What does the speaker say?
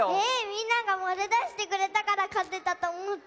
みんなが○だしてくれたからかてたとおもった。